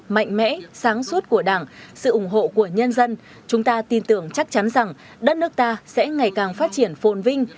mạnh mẽ sáng suốt của đảng sự ủng hộ của nhân dân chúng ta tin tưởng chắc chắn rằng đất nước ta sẽ ngày càng phát triển phồn vinh